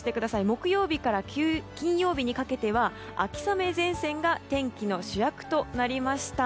木曜日から金曜日にかけては秋雨前線が天気の主役となりました。